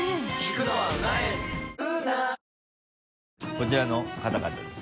こちらの方々です